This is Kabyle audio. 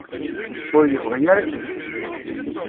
Ur yebɣi ara ad d-isel.